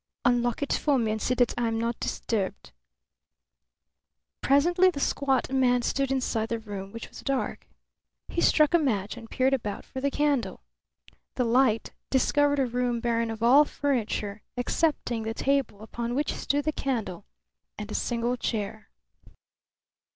"Unlock it for me and see that I am not disturbed." Presently the squat man stood inside the room, which was dark. He struck a match and peered about for the candle. The light discovered a room barren of all furniture excepting the table upon which stood the candle, and a single chair.